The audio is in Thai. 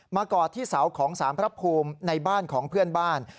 กอดที่เสาของสารพระภูมิในบ้านของเพื่อนบ้าน